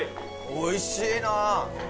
おいしいなあ。